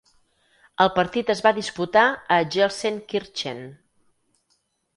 El partit es va disputar a Gelsenkirchen.